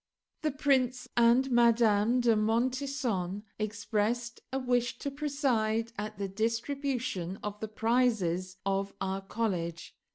The Prince and Madame de Montesson expressed a wish to preside at the distribution of the prizes of our college.